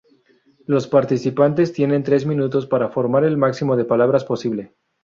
Los participantes tienen tres minutos para formar el máximo de palabras posible.